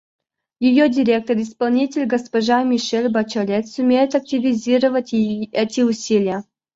Ее Директор-исполнитель госпожа Мишель Бачелет сумеет активизировать эти усилия.